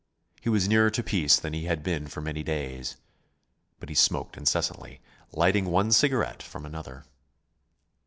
He was nearer to peace than he had been for many days. But he smoked incessantly, lighting one cigarette from another.